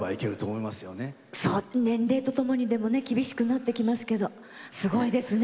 年齢とともに厳しくなってきますけどすごいですね。